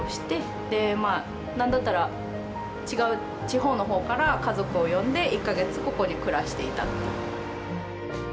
でまあ何だったら違う地方のほうから家族を呼んで１か月ここで暮らしていたっていう。